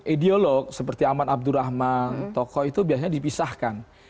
ideolog seperti aman abdurrahman tokoh itu biasanya dipisahkan